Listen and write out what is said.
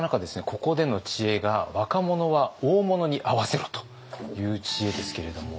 ここでの知恵が「若者は大物に会わせろ！」という知恵ですけれども。